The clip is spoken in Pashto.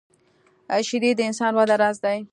شیدې د انساني وده راز دي